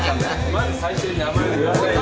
まず最初に名前を言わないと。